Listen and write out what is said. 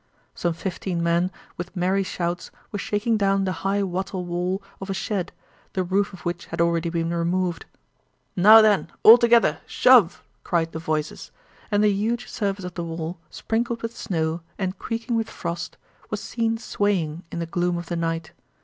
Some fifteen men with merry shouts were shaking down the high wattle wall of a shed, the roof of which had already been removed. "Now then, all together—shove!" cried the voices, and the huge surface of the wall, sprinkled with snow and creaking with frost, was seen swaying in the gloom of the night.